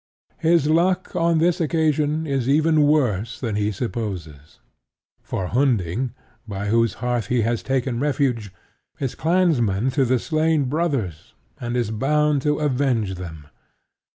His luck on this occasion is even worse than he supposes; for Hunding, by whose hearth he has taken refuge, is clansman to the slain brothers and is bound to avenge them.